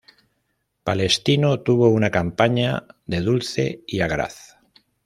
Palestino tuvo una campaña de "dulce y agraz".